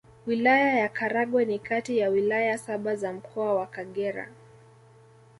Wilaya ya Karagwe ni kati ya Wilaya saba za Mkoa wa Kagera